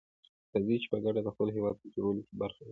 راځي چي په ګډه دخپل هيواد په جوړولو کي برخه واخلو.